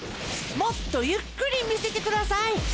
もっとゆっくりみせてください。